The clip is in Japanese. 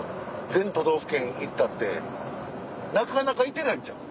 全都道府県行ったってなかなかいてないんちゃう？